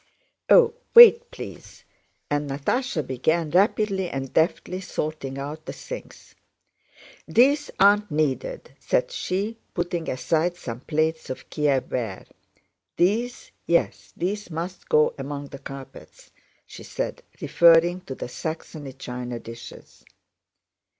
"Oh, wait, please!" And Natásha began rapidly and deftly sorting out the things. "These aren't needed," said she, putting aside some plates of Kiev ware. "These—yes, these must go among the carpets," she said, referring to the Saxony china dishes.